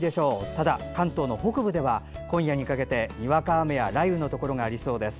ただ、関東北部では今夜にかけてにわか雨や雷雨のところがありそうです。